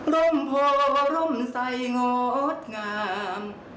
ร่มโพร่ร่มใส่งดงาม